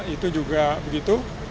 itu juga begitu